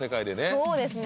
そうですね